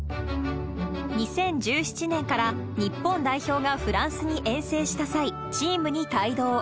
２０１７年から日本代表がフランスに遠征した際、チームに帯同。